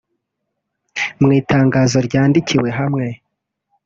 mw'itangazo ryandikiwe hamwe